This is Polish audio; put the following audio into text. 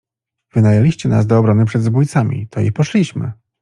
Wynajęliście nas do obrony przed zbójcami, to i poszliśmy.